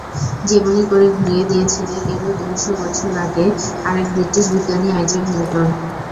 যেমনি করে ঘুরিয়ে দিয়েছিলেন এরও দুই শ বছর আগে আরেক ব্রিটিশ বিজ্ঞানী আইজ্যাক নিউটন।